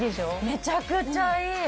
めちゃくちゃいい。